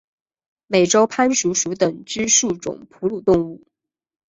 美洲攀鼠属等之数种哺乳动物。